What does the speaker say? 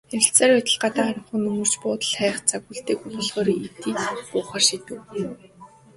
Ярилцсаар байтал гадаа харанхуй нөмөрч, буудал хайх цаг үлдээгүй болохоор эднийд буухаар шийдэв.